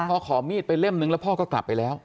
พอขอมีดไปเล่มนึงแล้วพ่อก็กลับไปแล้ว